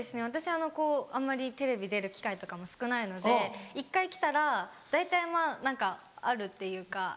私あのこうあんまりテレビ出る機会とかも少ないので１回来たら大体まぁ何かあるっていうか。